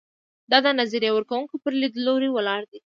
دا د نظریه ورکوونکو پر لیدلورو ولاړ دی.